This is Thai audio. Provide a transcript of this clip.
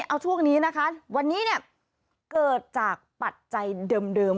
เอาช่วงนี้นะคะวันนี้เนี่ยเกิดจากปัจจัยเดิม